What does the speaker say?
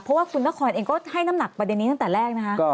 เพราะว่าคุณนครเองก็ให้น้ำหนักประเด็นนี้ตั้งแต่แรกนะคะ